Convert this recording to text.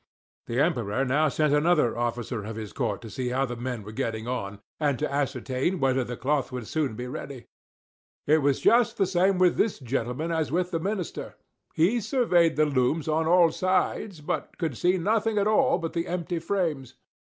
The Emperor now sent another officer of his court to see how the men were getting on, and to ascertain whether the cloth would soon be ready. It was just the same with this gentleman as with the minister; he surveyed the looms on all sides, but could see nothing at all but the empty frames.